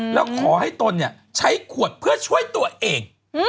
แล้วขอให้ตนใช้ขวดเพื่อช่วยตัวเอง